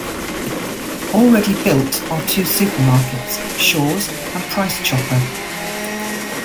Already built are two supermarkets, Shaw's and Price Chopper.